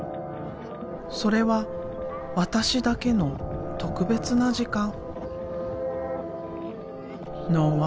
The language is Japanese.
それは私だけの特別な時間。